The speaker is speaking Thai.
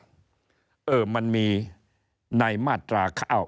อีกเรื่องหนึ่งที่อาจารย์วิชาพูดกันก็คือว่า